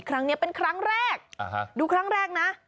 ครั้งนี้เป็นครั้งแรกดูครั้งแรกนะ